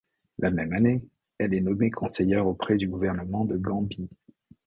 La même année, elle est nommée conseillère auprès du gouvernement de Gambie.